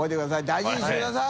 大事にしてください！